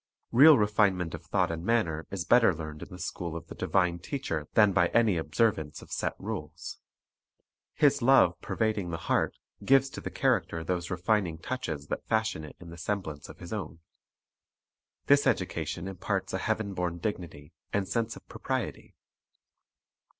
Real refinement of thought and manner is better learned in the school of the divine Teacher than by any observance of set rules. His love pervading the heart gives to the character those refining touches that fashion it in the semblance of His own. This education imparts a heaven born dignity and sense of propriety.